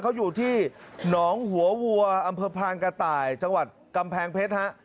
เขาอยู่ที่หนองหัววัวอำเภอพรานกระต่ายจังหวัดกำแพงเพชรฮะ